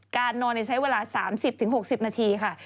นอนใช้เวลา๓๐๖๐นาทีค่ะ